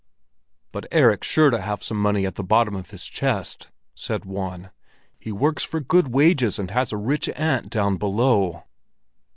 "But Erik's sure to have some money at the bottom of his chest!" said one. "He works for good wages and has a rich aunt down below."